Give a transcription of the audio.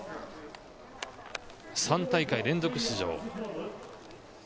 ３大会連続出場。